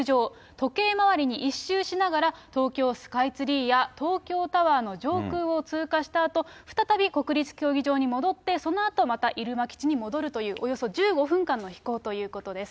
時計回りに１周しながら、東京スカイツリーや東京タワーの上空を通過したあと、再び国立競技場に戻って、そのあと、また入間基地に戻るという、およそ１５分間の飛行ということです。